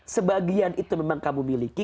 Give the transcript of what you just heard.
sebagian itu memang kamu miliki